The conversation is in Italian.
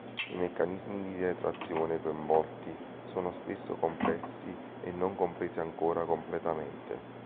I meccanismi di retroazione coinvolti sono spesso complessi e non compresi ancora completamente.